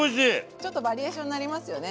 ちょっとバリエーションなりますよね